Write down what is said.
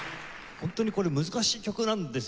ホントにこれ難しい曲なんですよ。